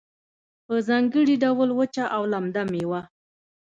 په ځانګړي ډول وچه او لمده میوه